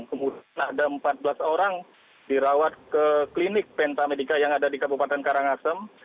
kemudian ada empat belas orang dirawat ke klinik pentamedica yang ada di kabupaten karangasem